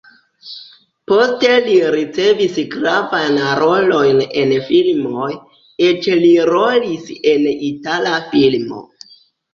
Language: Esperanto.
Poste li ricevis gravajn rolojn en filmoj, eĉ li rolis en itala filmo.